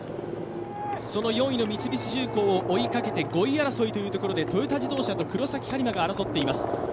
その４位の三菱重工を追いかけて５位争いというところでトヨタ自動車と黒崎播磨が争っています。